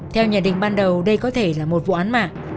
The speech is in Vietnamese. theo nhận định ban đầu đây có thể là một vụ án mạng